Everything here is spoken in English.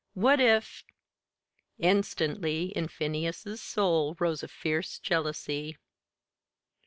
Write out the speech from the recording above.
What if Instantly in Phineas's soul rose a fierce jealousy.